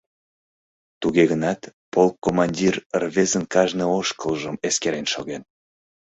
Туге гынат полк командир рвезын кажне ошкылжым эскерен шоген.